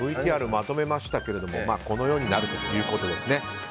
ＶＴＲをまとめましたがこのようになるということですね。